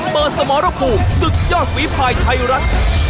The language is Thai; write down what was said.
เปิดสมรภูมิศึกยอดฝีภายไทรัต